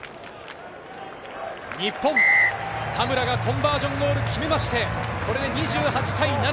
日本、田村がコンバージョンゴールを決めまして、これで２８対７。